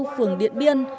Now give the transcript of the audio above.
phường điện biên